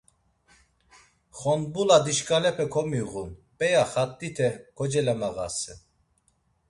Xonbula dişǩalepe komiğun, p̌eya xat̆ite kocelemağasen.